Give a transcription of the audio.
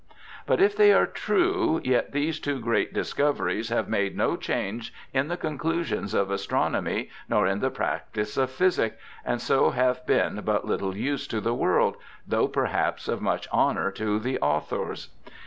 But if they are true, yet these two great discoveries have made no change in the conclusions of Astronomy nor in the practice of Physic, and so have been but little use to the world, though, perhaps, of much honour to the authors.'